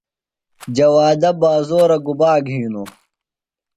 جوادہ بازورہ گُبا گِھینوۡ؟